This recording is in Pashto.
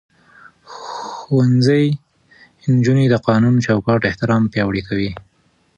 ښوونځی نجونې د قانوني چوکاټ احترام پياوړې کوي.